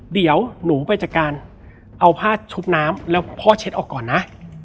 เดี๋ยวหนูไปจัดการเอาผ้าชุบน้ำแล้วพ่อเช็ดออกก่อนนะ